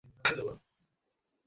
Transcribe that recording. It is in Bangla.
আমাকে বাচান স্যার, প্লিজ।